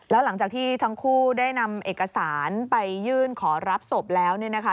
แล้วหลังจากที่ทั้งคู่ได้นำเอกสารไปยื่นขอรับศพแล้วเนี่ยนะคะ